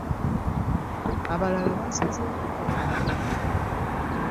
Abalala baasazeewo kukomba ntamu